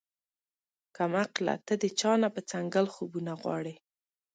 کم عقله تۀ د چا نه پۀ څنګل خوبونه غواړې